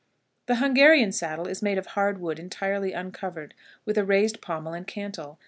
The Hungarian saddle is made of hard wood entirely uncovered, with a raised pommel and cantle.